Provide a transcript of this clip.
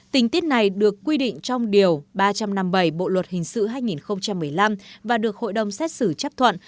tình tiết này được quy định trong điều ba trăm năm mươi bảy bộ luật hình sự hai nghìn một mươi năm và được hội đồng xét xử chấp thuận